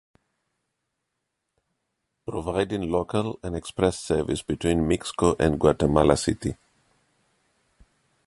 Providing local and express service between Mixco and Guatemala city.